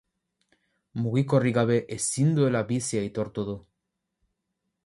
Mugikorrik gabe ezin duela bizi aitortu du.